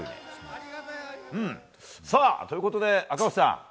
ということで、赤星さん